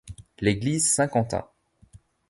L'église Saint-Quentin.